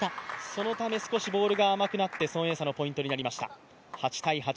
そのため少しボールが甘くなって孫エイ莎のポイントになりました。